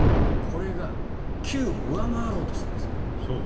これが９を上回ろうとしたんですね。